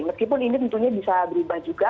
meskipun ini tentunya bisa berubah juga